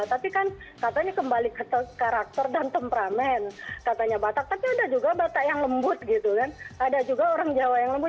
tapi kan katanya kembali ke karakter dan temperamen katanya batak tapi ada juga batak yang lembut gitu kan ada juga orang jawa yang lembut